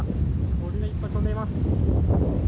鳥がいっぱい飛んでいます。